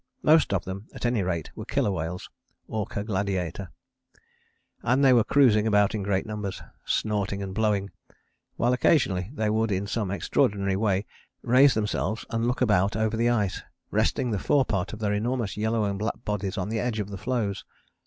Most of them at any rate were Killer whales (Orca gladiator), and they were cruising about in great numbers, snorting and blowing, while occasionally they would in some extraordinary way raise themselves and look about over the ice, resting the fore part of their enormous yellow and black bodies on the edge of the floes.